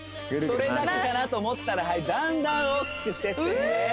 それだけかなと思ったらだんだん大きくしてってフー！